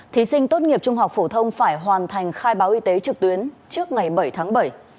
thí sinh tốt nghiệp trung học phổ thông phải hoàn thành khai báo y tế trực tuyến trước ngày bảy tháng bảy